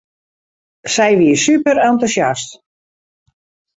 Sy wie superentûsjast.